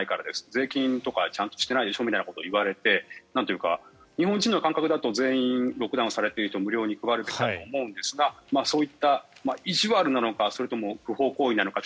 税金とかちゃんとしてないでしょみたいなことを言われてなんというか日本人の感覚だとロックダウンされていると全員に無料に配るべきだと思うんですがそういった意地悪なのか不法行為なのか